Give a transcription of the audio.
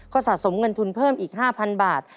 ก็สะสมเงินทุนเพิ่มอีก๕๐๐บาท